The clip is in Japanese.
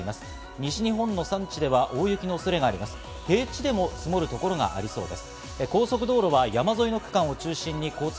西日本の山地では大雪の恐れがあります。